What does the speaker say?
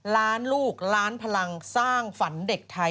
ล้านลูกล้านพลังสร้างฝันเด็กไทย